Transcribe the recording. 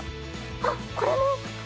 あっこれも！